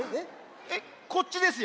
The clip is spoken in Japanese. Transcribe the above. えっこっちですよ。